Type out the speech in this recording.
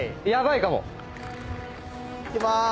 いきまーす。